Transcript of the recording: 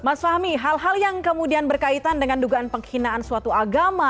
mas fahmi hal hal yang kemudian berkaitan dengan dugaan penghinaan suatu agama